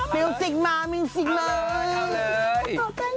ฟิลสิกมาร์มีงสิกมมาต่อกันคนหนึ่งเลย